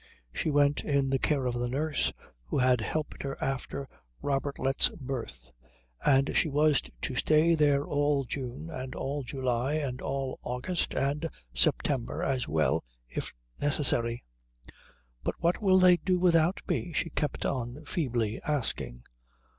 She went in the care of the nurse who had helped her after Robertlet's birth, and she was to stay there all June and all July, and all August and September as well if necessary. "But what will they do without me?" she kept on feebly asking.